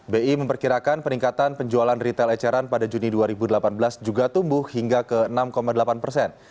bi memperkirakan peningkatan penjualan retail eceran pada juni dua ribu delapan belas juga tumbuh hingga ke enam delapan persen